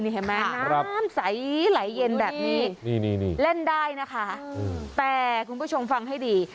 ใช่มั้ยครับใสหลายเย็นแบบนี้เล่นได้นะคะแปลคุณผู้ชมฟังให้ดี